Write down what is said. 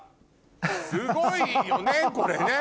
すごいよねこれね！